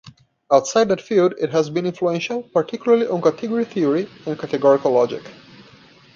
Outside that field, it has been influential particularly on category theory and categorical logic.